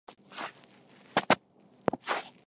这些设备出厂时的平台优化可减少数据流量使用。